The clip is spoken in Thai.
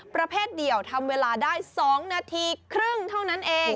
ประเภทเดียวทำเวลาได้๒นาทีครึ่งเท่านั้นเอง